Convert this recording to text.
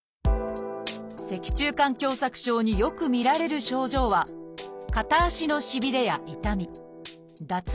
脊柱管狭窄症によく見られる症状は片足の「しびれ」や「痛み」「脱力感」です